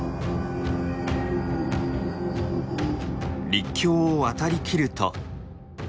陸橋を渡りきると。